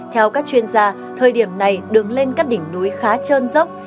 theo các chuyên gia thời điểm này đường lên các đỉnh núi khá trơn dốc